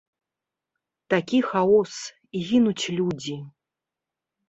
Такі хаос, гінуць людзі.